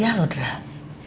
kamu tuh udah kuliah